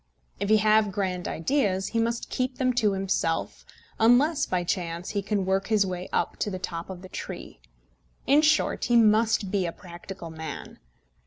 If he have grand ideas, he must keep them to himself, unless by chance he can work his way up to the top of the tree. In short, he must be a practical man.